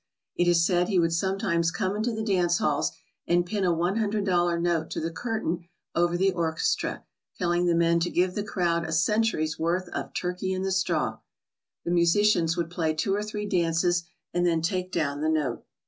It is said he would sometimes come into the dance halls and pin a one hundred dollar note to the curtain over the orchestra telling the men to give the crowd a century's worth of "Turkey in the Straw/' The musicians would play two or three dances and then take down the note.